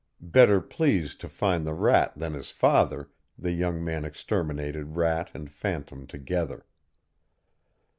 Better pleased to find the rat than his father, the young man exterminated rat and phantom together.